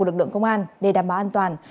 lực lượng công an để đảm bảo an toàn